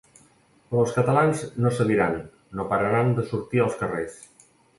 Però els catalans no cediran, no pararan de sortir als carrers.